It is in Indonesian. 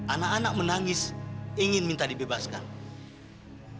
anak anak menangis ingin minta dibebaskan